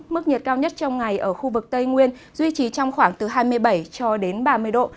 mức nhiệt cao nhất trong ngày ở khu vực tây nguyên duy trì trong khoảng từ hai mươi bảy cho đến ba mươi độ